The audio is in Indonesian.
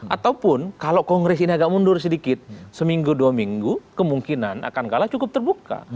ataupun kalau kongres ini agak mundur sedikit seminggu dua minggu kemungkinan akan kalah cukup terbuka